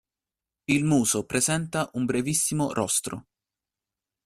Il muso presenta un brevissimo rostro.